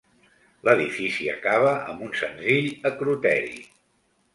L'edifici acaba amb un senzill acroteri.